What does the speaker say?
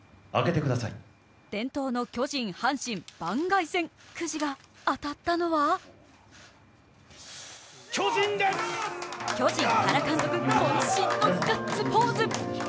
伝統の巨人・阪神番外編、くじが当たったのは巨人・原監督、こん身のガッツポーズ。